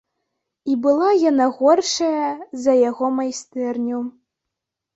І была яна горшая за яго майстэрню.